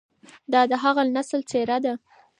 دا د هغه نسل څېره ده،